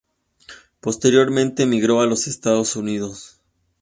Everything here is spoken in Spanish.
Posteriormente emigró a los Estados Unidos.